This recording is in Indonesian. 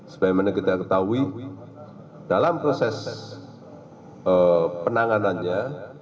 sebagaimana kita ketahui dalam proses penanganannya